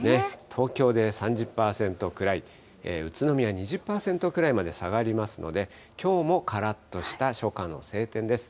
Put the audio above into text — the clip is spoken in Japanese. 東京で３０％くらい、宇都宮２０％くらいまで下がりますので、きょうもからっとした初夏の晴天です。